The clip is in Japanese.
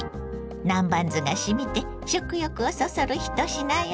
南蛮酢がしみて食欲をそそる一品よ。